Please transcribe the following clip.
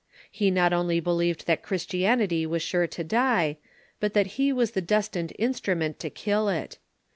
He not only believed that Christianity was sure to die, but that he was the destined instrument to kill it.